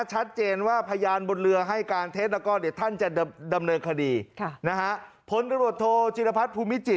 ชัดเจนว่าพยานบนเรือให้การเท็จแล้วก็เนี่ยท่านจะดำเนินคดี